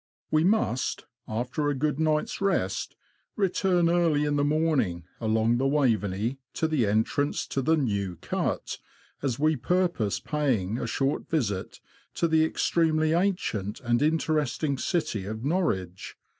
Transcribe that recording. We must, after a good night's rest, return early in the morning, along the Waveney, to the entrance to the New Cut, as we purpose paying a short visit to the extremely ancient and interesting city of Norwich.